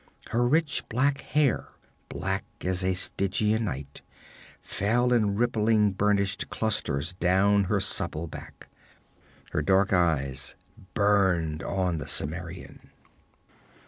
Her rich black hair, black as a Stygian night, fell in rippling burnished clusters down her supple back. Her dark eyes burned on the Cimmerian.